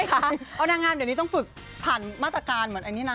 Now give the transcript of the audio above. เพราะทางงามเดี๋ยวนี้ต้องฝึกผ่านมาตรการเหมือนนะ